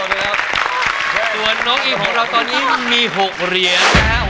แล้วตัวน้องอีกของเราตอนนี้มี๖เหรียญนะคะ